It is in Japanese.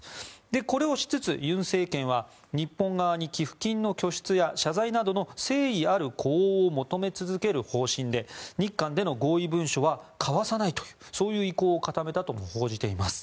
これをしつつ、尹政権は日本側に寄付金の拠出や謝罪などの誠意ある呼応を求め続ける方針で日韓での合意文書は交わさないというそういう意向を固めたとも報じています。